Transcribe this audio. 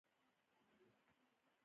کلاشینکوف یعنې سپکه وسله وه